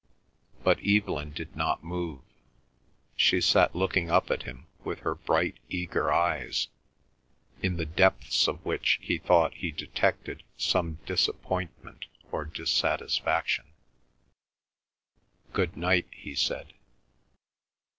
But Evelyn did not move. She sat looking up at him with her bright eager eyes, in the depths of which he thought he detected some disappointment, or dissatisfaction. "Good night," he said.